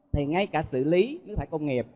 thì ngay cả xử lý nước thải công nghiệp